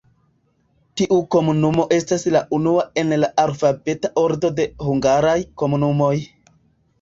Tiu komunumo estas la unua en la alfabeta ordo de hungaraj komunumoj.